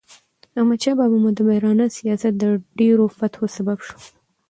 احمدشاه بابا مدبرانه سیاست د ډیرو فتحو سبب سو.